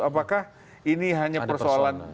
apakah ini hanya persoalan